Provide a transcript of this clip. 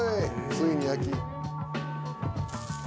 ついに焼き。